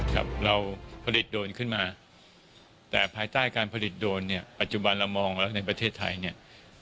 ครับเราผลิตโดรนขึ้นมาแต่ภายใต้การผลิตโดรนเนี่ยปัจจุบันเรามองแล้วในประเทศไทยเนี่ย